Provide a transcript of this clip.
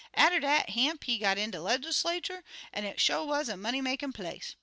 Atter dat, Hamp, he got in de Legislatur', an' it sho' wuz a money makin' place.